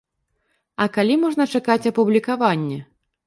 А калі можна чакаць апублікавання?